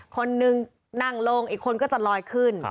คนนึงนั่งลงอีกคนก็จะลอยขึ้น